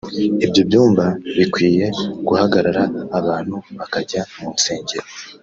ibyo byumba bikwiye guhagarara abantu bakajya mu nsengero”